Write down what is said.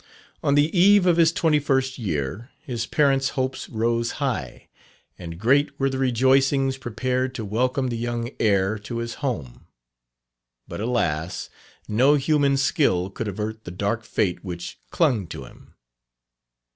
On the eve of his twenty first year, his parent's hopes rose high, and great were the rejoicings prepared to welcome the young heir to his home. But, alas! no human skill could avert the dark fate which clung to him.